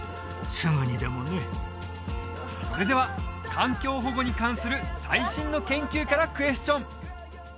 すぐにでもねそれでは環境保護に関する最新の研究からクエスチョン！